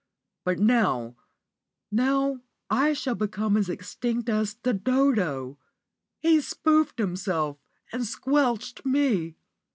But now now I shall become as extinct as the dodo. He's spoofed himself, and squelched me.